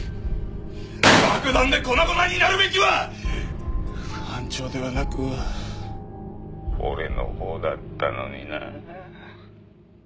爆弾で粉々になるべきは班長ではなく俺のほうだったのにな。